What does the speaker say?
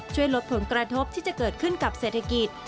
ช่วยลดผลกระทบที่จะเกิดขึ้นกับเศรษฐกิจ